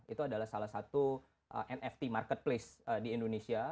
itu adalah salah satu nft marketplace di indonesia